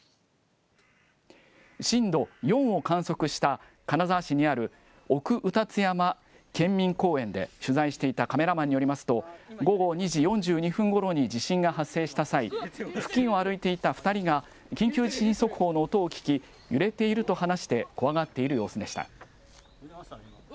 震度４を観測した、金沢市にある奥卯辰山健民公園で取材していたカメラマンによりますと、午後２時４２分ごろに地震が発生した際、付近を歩いていた２人が、緊急地震速報の音を聞き、揺れていると話して怖がっている様子でした。